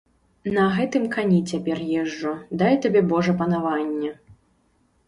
На гэтым кані цяпер езджу, дай табе божа панаванне.